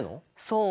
そう。